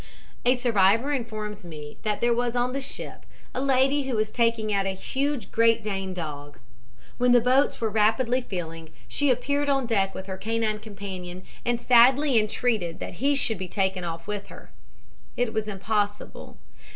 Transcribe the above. "A survivor informs me that there was on the ship a lady who was taking out a huge great Dane dog. When the boats were rapidly filling she appeared on deck with her canine companion and sadly entreated that he should be taken off with her. It was impossible.